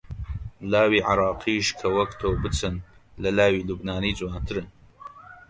لاوی عێراقیش کە وەک تۆ بچن، لە لاوی لوبنانی جوانترن